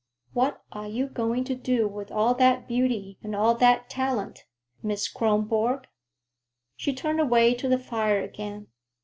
"What are you going to do with all that beauty and all that talent, Miss Kronborg?" She turned away to the fire again.